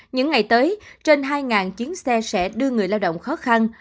những ngày tới trên hai chuyến xe sẽ đưa người lao động khó khăn